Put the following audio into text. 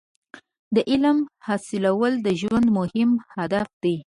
• د علم حاصلول د ژوند مهم هدف دی.